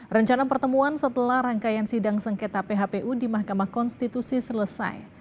rencana pertemuan setelah rangkaian sidang sengketa phpu di mahkamah konstitusi selesai